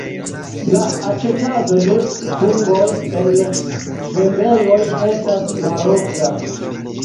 La aĉetado de fungoj en vendejoj estas malofta.